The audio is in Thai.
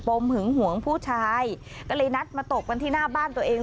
หึงหวงผู้ชายก็เลยนัดมาตบกันที่หน้าบ้านตัวเอง